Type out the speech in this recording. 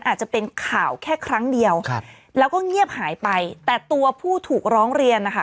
อาจจะเป็นข่าวแค่ครั้งเดียวครับแล้วก็เงียบหายไปแต่ตัวผู้ถูกร้องเรียนนะคะ